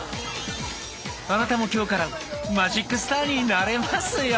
あなたも今日からマジックスターになれますよ！